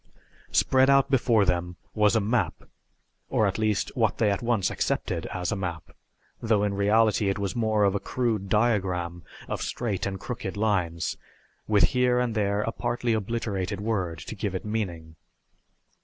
Spread out before them was a map, or at least what they at once accepted as a map, though in reality it was more of a crude diagram of straight and crooked lines, with here and there a partly obliterated word to give it meaning.